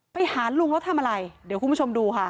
ไปหาลุงแล้วทำอะไรเดี๋ยวคุณผู้ชมดูค่ะ